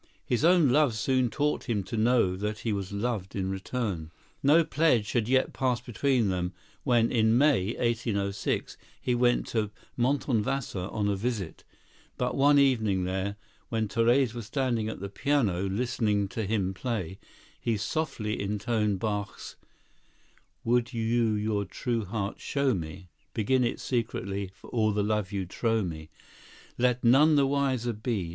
His own love soon taught him to know that he was loved in return. No pledge had yet passed between them when, in May, 1806, he went to Montonvasar on a visit; but one evening there, when Therese was standing at the piano listening to him play, he softly intoned Bach's— "Would you your true heart show me, Begin it secretly, For all the love you trow me, Let none the wiser be.